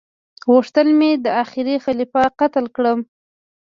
غوښتل مي دا اخيري خليفه قتل کړم